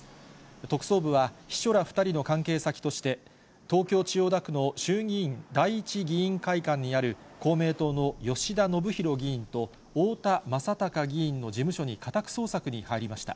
特捜部は、秘書ら２人の関係先として、東京・千代田区の衆議院第一議員会館にある公明党の吉田宣弘議員と太田昌孝議員の事務所に家宅捜索に入りました。